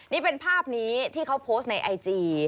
นี่เป็นภาพนี้ที่เขาโพสต์ในไอจี